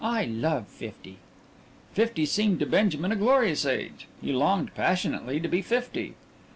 I love fifty." Fifty seemed to Benjamin a glorious age. He longed passionately to be fifty.